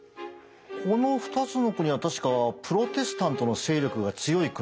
この２つの国は確かプロテスタントの勢力が強い国ですよね？